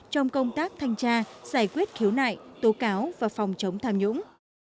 trong công tác thanh tra giải quyết khiếu nại tố cáo và phòng chống tham nhũng